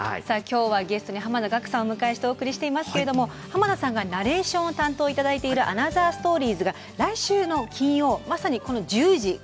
きょうはゲストに濱田岳さんをお迎えしておりますけれども濱田さんがナレーションを担当されている「アナザーストーリーズ」が来週の金曜まさにこの１０時。